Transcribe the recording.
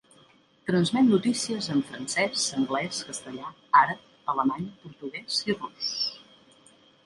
Transmet notícies en francès, anglès, castellà, àrab, alemany, portuguès i rus.